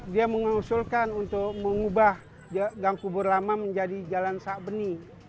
dia mengusulkan untuk mengubah gang kubur lama menjadi jalan sakbeni